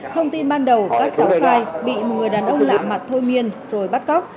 thông tin ban đầu các cháu khai bị một người đàn ông lạ mặt thôi miên rồi bắt cóc